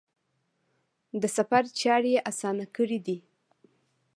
د سفر چارې یې اسانه کړي دي.